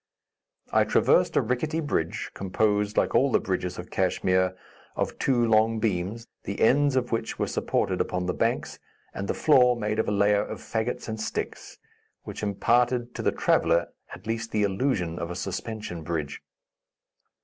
I traversed a ricketty bridge, composed like all the bridges of Kachmyr of two long beams, the ends of which were supported upon the banks and the floor made of a layer of fagots and sticks, which imparted to the traveller, at least the illusion of a suspension bridge.